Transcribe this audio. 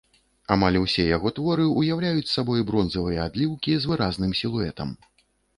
Амаль усё яго творы ўяўляюць сабой бронзавыя адліўкі з выразным сілуэтам.